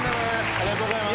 ありがとうございます。